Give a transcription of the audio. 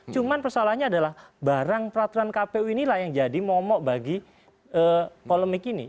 cuman persoalannya adalah barang peraturan kpu inilah yang jadi momok bagi polemik ini